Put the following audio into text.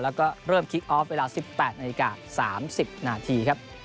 แล้วก็เริ่มคลิกออฟเวลา๑๘นาฬิกา๓๐นาทีครับ